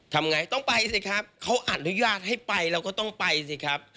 ทำไงต้องไปสิครับเขาอนุญาตให้ไปเราก็ต้องไปสิครับ